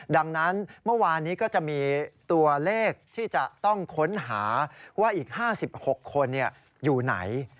ดังนั้นเมื่อวานนี้ก็จะมีตัวเลขที่จะต้องค้นหาว่าอีก๕๖คนอยู่ไหน